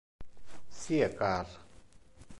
Sia car.